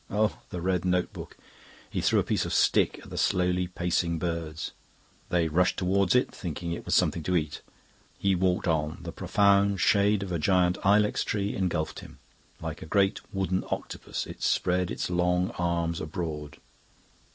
(Oh, the red notebook!) He threw a piece of stick at the slowly pacing birds. They rushed towards it, thinking it was something to eat. He walked on. The profound shade of a giant ilex tree engulfed him. Like a great wooden octopus, it spread its long arms abroad.